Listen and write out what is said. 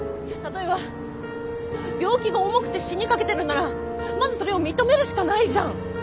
例えば病気が重くて死にかけてるんならまずそれを認めるしかないじゃん。